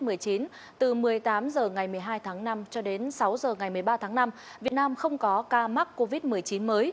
từ một mươi tám h ngày một mươi hai tháng năm cho đến sáu h ngày một mươi ba tháng năm việt nam không có ca mắc covid một mươi chín mới